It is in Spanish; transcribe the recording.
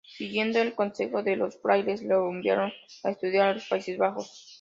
Siguiendo el consejo de los frailes, lo enviaron a estudiar a los Países Bajos.